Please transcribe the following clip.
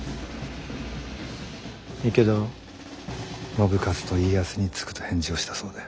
信雄と家康につくと返事をしたそうで。